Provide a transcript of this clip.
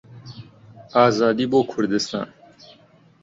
ئازادی بۆ کوردستان!